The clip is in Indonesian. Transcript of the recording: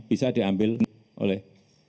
bisa diambil oleh